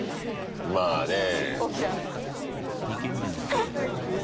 まあねえ。